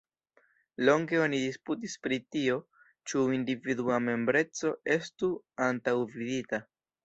Longe oni disputis pri tio, ĉu individua membreco estu antaŭvidita.